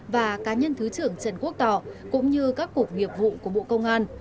và cá nhân thứ trưởng trần quốc tỏ cũng như các cục nghiệp vụ của bộ công an